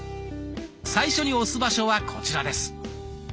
最初に押す場所はこちらです。